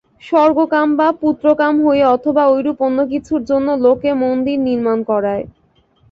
স্বর্গকাম বা পু্ত্রকাম হইয়া অথবা ঐরূপ অন্য কিছুর জন্য লোকে মন্দির নির্মাণ করায়।